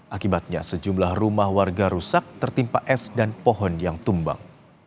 akibatnya sejumlah rumah warga rusak tertimpa es dan pohon yang tumbang